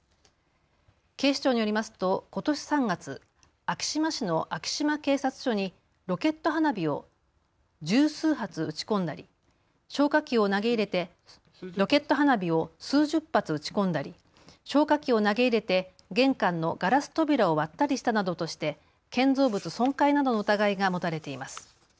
警視庁によりますとことし３月、昭島市の昭島警察署にロケット花火を数十発打ち込んだり消火器を投げ入れて玄関のガラス扉を割ったりしたなどとして建造物損壊などの疑いが持たれています。